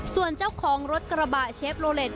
ส่วนเจ้าของรถกระบะเชฟโลเล็ต